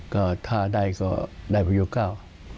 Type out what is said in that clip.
ก็ถ้าได้ก็ได้ประโยคเก้า